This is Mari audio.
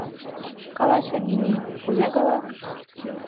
— Каласе, МиМи... кузе гала?